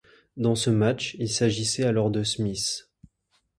Dans ce match, il s'agissait alors de Smith.